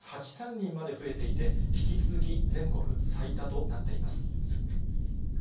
人まで増えていて、引き続き全国最多となっています。